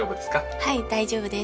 はい大丈夫です。